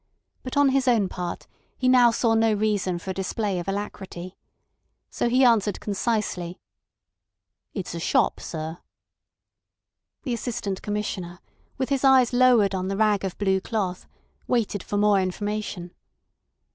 But, on his own part, he now saw no reason for a display of alacrity. So he answered concisely: "It's a shop, sir." The Assistant Commissioner, with his eyes lowered on the rag of blue cloth, waited for more information.